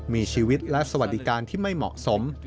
มีชีวิตและสวัสดิการที่ไม่เหมาะสม